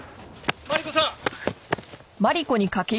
マリコさん！